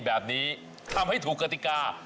แบบนี้ทำให้ถูกกติกา